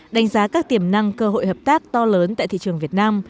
đánh giá các tiềm năng cơ hội hợp tác to lớn tại thị trường việt nam